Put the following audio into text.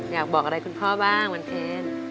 อยากบอกอะไรคุณพ่อบ้างวันเคน